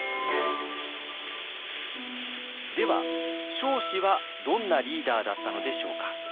では彰子はどんなリーダーだったのでしょうか？